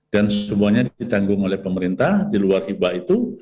dan semuanya ditanggung oleh pemerintah di luar hibah itu